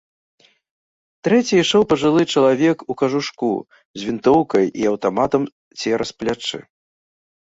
Трэці ішоў пажылы чалавек у кажушку, з вінтоўкай і аўтаматам цераз плечы.